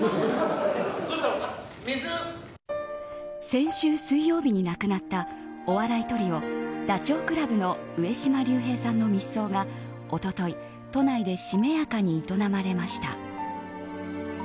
先週水曜日に亡くなったお笑いトリオ、ダチョウ倶楽部の上島竜兵さんの密葬が一昨日、都内でしめやかに営まれました。